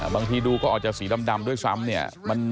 บางทีดูก็อาจจะสีดำด้วยซ้ำเนี่ย